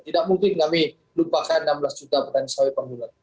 tidak mungkin kami lupakan enam belas juta petani sawit per bulan